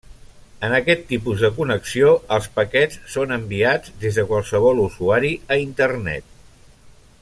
En aquest tipus de connexió, els paquets són enviats des de qualsevol usuari a Internet.